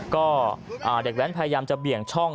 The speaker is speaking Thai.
ก็เด็กแว้นพยายามจะเบี่ยงช่อง